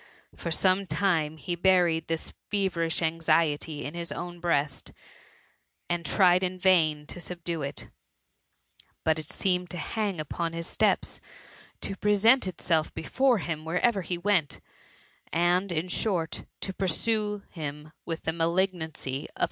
For some time he buried this feverish anxiety in hi^ own breast, and tried in vain to subdue it; but it seemed to hang upon his steps, to prer sent itself before him wherever he went, and, in short, to pursue him with the malignancy of a demon.